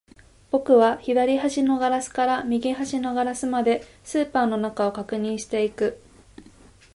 僕は左端のガラスから右端のガラスまで、スーパーの中を確認していく